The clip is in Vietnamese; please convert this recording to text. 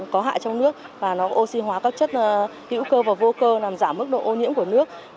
có hại trong nước oxy hóa các chất hữu cơ và vô cơ giảm mức độ ô nhiễm của nước